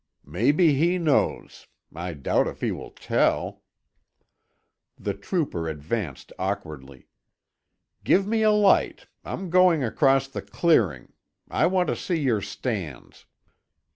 "Maybe he knows. I doubt if he will tell!" The trooper advanced awkwardly. "Give me a light. I'm going across the clearing; I want to see your stands."